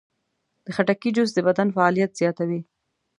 د خټکي جوس د بدن فعالیت زیاتوي.